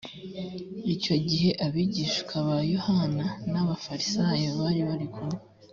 icyo gihe abigishwa ba yohana n ab abafarisayo bari barikumwe